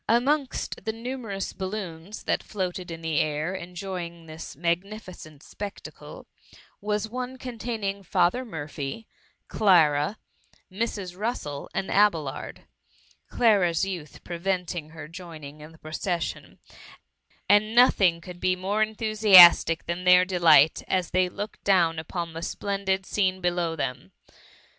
Amongst the numerous bal THE MUMMY. S69 loons that floated in the air, enjoying this mag* nificeiit spectacle, was one containing Father Murphy, Clara, Mrs. Russel and Abelard — Clara^s youth preventing her joining in the procesfflon — ^and nothing could be more enthu siastic than their delight, as tliey looked down upon the splendid scene below them.